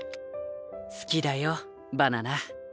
好きだよバナナ。